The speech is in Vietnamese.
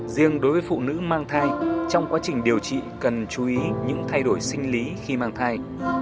riêng đối với phụ nữ mang thai trong quá trình điều trị cần chú ý những thay đổi sinh lý khi mang thai